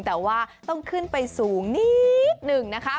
แต่ว่าต้องขึ้นไปสูงนิดหนึ่งนะคะ